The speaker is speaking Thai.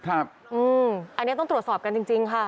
อันนี้ต้องตรวจสอบกันจริงค่ะ